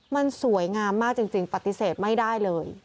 มันสวยงามมากจริงปฏิเสธไม่ได้เลย